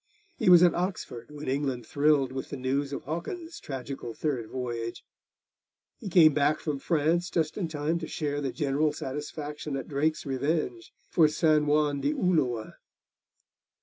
He was at Oxford when England thrilled with the news of Hawkins' tragical third voyage. He came back from France just in time to share the general satisfaction at Drake's revenge for San Juan de Ulloa.